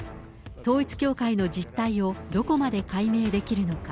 統一教会の実態をどこまで解明できるのか。